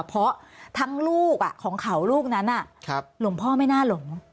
เพราะทั้งลูกของเขาลูกนั้นหลวงพ่อไม่น่าหลง